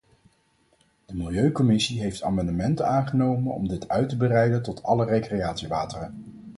De milieucommissie heeft amendementen aangenomen om dit uit te breiden tot alle recreatiewateren.